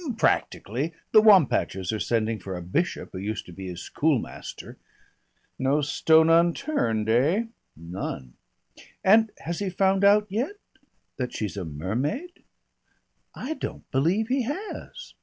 "Practically. The Wampachers are sending for a Bishop who used to be his schoolmaster " "No stone unturned, eh?" "None." "And has he found out yet " "That she's a mermaid? I don't believe he has.